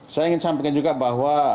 saya ingin sampaikan juga bahwa